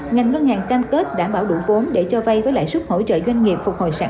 ngành ngân hàng cam kết đảm bảo đủ vốn để cho vay với lãi suất hỗ trợ doanh nghiệp phục hồi sản